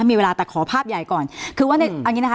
มีเวลาแต่ขอภาพใหญ่ก่อนคือว่าในเอางี้นะคะ